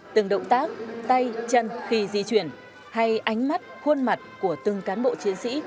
từng động tác tay chân khi di chuyển hay ánh mắt khuôn mặt của từng cán bộ chiến sĩ